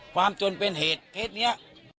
ความจนเป็นเหตุเพศเนี่ย